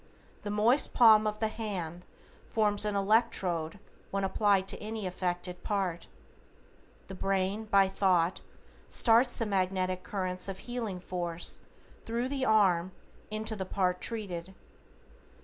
The moist palm of the hand forms an electrode when applied to any affected part. The brain, by thought, starts the magnetic currents of healing force thru the arm into the part treated.